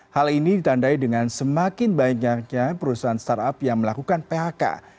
hal ini ditandai dengan semakin banyaknya perusahaan startup yang melakukan phk